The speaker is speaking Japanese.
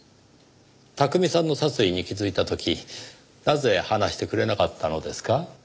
巧さんの殺意に気づいた時なぜ話してくれなかったのですか？